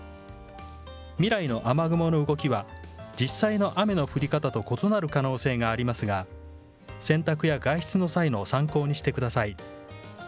未来の雨雲の動きは実際の雨の降り方と異なる可能性がありますが洗濯や外出の際の参考にしてください。